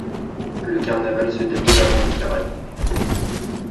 Le carnaval se déroule avant le Carême.